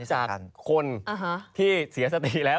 จากคนที่เสียสติแล้ว